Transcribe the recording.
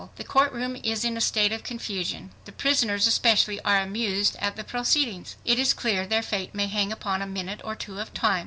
The court room is in a state of confusion. The prisoners, especially, are amused at the proceedings. It is clear their fate may hang upon a minute or two of time.